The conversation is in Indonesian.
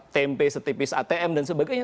tempe setipis atm dan sebagainya